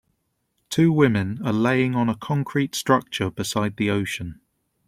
Two women are laying on a concrete structure beside the ocean.